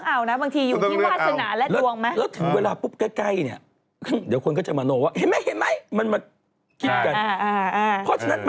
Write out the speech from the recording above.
นี่นะที่เขาตีอันนี้มาเนี่ยขาดแค่เลข๔เลข๕แล้วก็เลข๙เนอะ